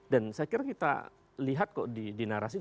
dan saya kira kita lihat kok di narasi